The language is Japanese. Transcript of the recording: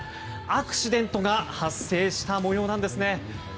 アクシデントが発生した模様です。